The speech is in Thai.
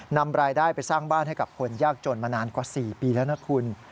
นำรายได้ไปสร้างบ้านให้กับคนยากจนมานานกว่า๔ปีแล้วนะคุณ